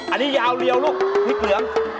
อันนี้ยาวเรียวลูกพี่เกือม